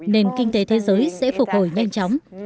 nền kinh tế thế giới sẽ phục hồi nhanh chóng